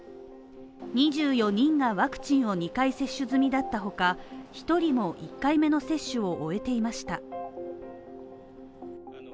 ２４人がワクチンを２回接種済みだったほか、１人も１回目の接種を終えていました。